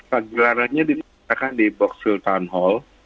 pak gelarannya diberitahukan di box hill town hall